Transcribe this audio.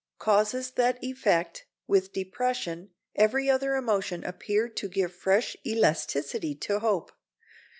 Causes that effect, with depression, every other emotion appear to give fresh elasticity to hope.